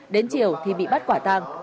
đến chiều thì bị bắt quả tăng